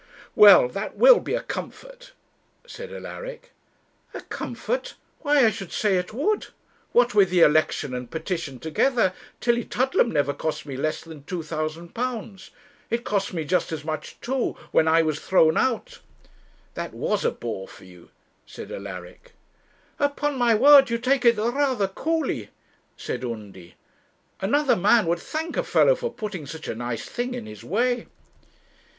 'Well, that will be a comfort,' said Alaric. 'A comfort! why I should say it would. What with the election and petition together, Tillietudlem never cost me less than £2,000. It cost me just as much, too, when I was thrown out.' 'That was a bore for you,' said Alaric. 'Upon my word you take it rather coolly,' said Undy; 'another man would thank a fellow for putting such a nice thing in his way.'